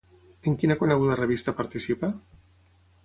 En quina coneguda revista participa?